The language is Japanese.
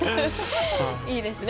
いいですね。